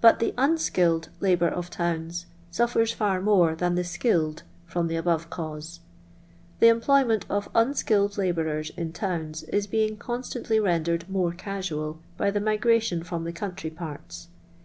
But the unskilled labour of towns suffers far more than the skilled from the above cause. The cmploymcTit of unskilled labourers in towns is being constantly rendered more casual by the migrations from the country piirts.